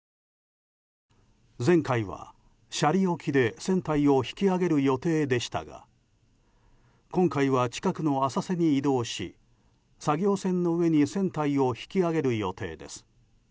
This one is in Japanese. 前回は斜里沖で船体を引き揚げる予定でしたが今回は近くの浅瀬に移動し作業船の上に船体を引き揚げる予定です。